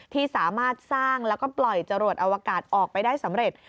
ที่สามารถสร้างแล้วก็ปล่อยจรวดอวกาศออกไปได้สำเร็จ